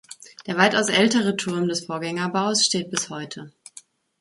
Der weitaus ältere Turm des Vorgängerbaus steht bis heute.